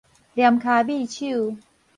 跕跤覕手